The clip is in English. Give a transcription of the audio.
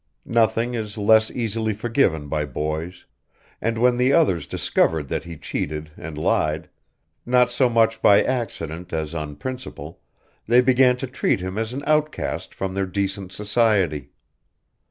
Nothing is less easily forgiven by boys, and when the others discovered that he cheated and lied, not so much by accident as on principle, they began to treat him as an outcast from their decent society.